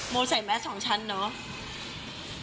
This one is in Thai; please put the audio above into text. โมใส่แมสของฉันเนอะ